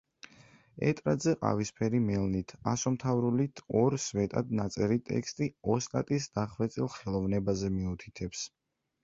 ეტრატზე ყავისფერი მელნით, ასომთავრულით ორ სვეტად ნაწერი ტექსტი ოსტატის დახვეწილ ხელოვნებაზე მიუთითებს.